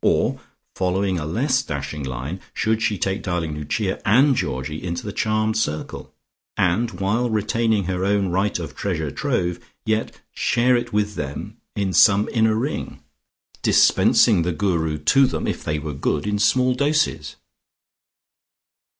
Or following a less dashing line, should she take darling Lucia and Georgie into the charmed circle, and while retaining her own right of treasure trove, yet share it with them in some inner ring, dispensing the Guru to them, if they were good, in small doses?